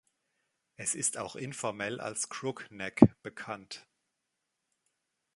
Es ist auch informell als Crookneck bekannt.